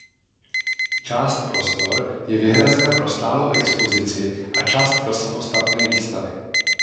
Část prostor je vyhrazena pro stálou expozici a část pro samostatné výstavy.